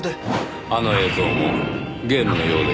あの映像もゲームのようでしたねぇ。